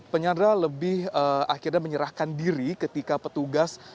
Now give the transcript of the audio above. penyandra lebih akhirnya menyerahkan diri ketika petugas